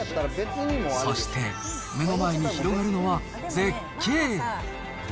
そして、目の前に広がるのは、絶景。